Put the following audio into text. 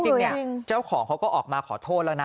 จริงเนี่ยเจ้าของเขาก็ออกมาขอโทษแล้วนะ